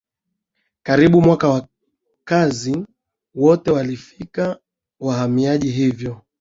Kiarabu Mwaka wakazi wote walifika wahamiaji Hivyo